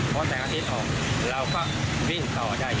พอแสงอาทิตย์ออกเราก็วิ่งต่อได้